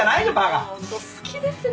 本当好きですね